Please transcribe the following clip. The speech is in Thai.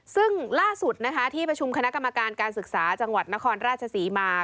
ซึ่งล่าสุดนะคะที่ประชุมคณะกรรมการการศึกษาจังหวัดนครราชศรีมา